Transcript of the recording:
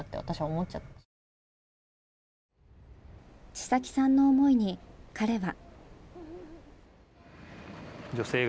知咲さんの思いに彼は。